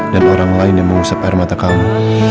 dan orang lain yang mengusap air mata kamu